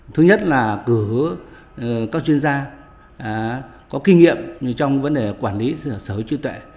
thứ nhất là cử các chuyên gia có kinh nghiệm trong vấn đề quản lý sở hữu trí tuệ